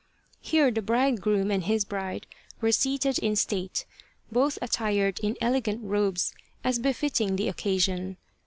Here the bridegroom and his bride were seated in state, both attired in elegant robes as befitting the occasion.